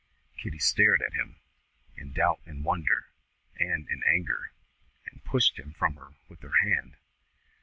Kitty stared at him, in doubt and wonder and in anger, and pushed him from her with her hand.